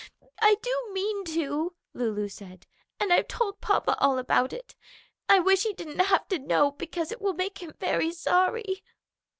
"I do mean to," Lulu said. "And I've told papa all about it. I wish he didn't have to know, because it will make him very sorry."